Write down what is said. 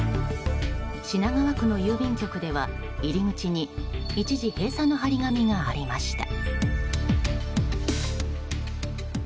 品川区の郵便局では入り口に一時閉鎖の貼り紙がありました。